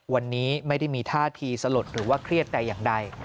วันนี้ไม่ได้มีท่าทีสลดหรือว่าเครียดแต่อย่างใด